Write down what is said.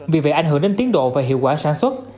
vì vậy ảnh hưởng đến tiến độ và hiệu quả sản xuất